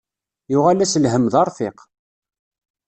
Yuɣal-as lhemm d arfiq.